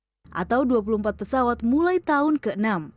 dan dengan target produksi dua puluh empat pesawat per tahun ke enam